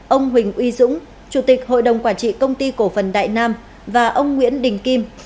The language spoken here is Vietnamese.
ông huỳnh uy dũng chủ tịch hội đồng quản trị công ty cổ phần đại nam và ông nguyễn đình kim